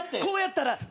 こうやったら。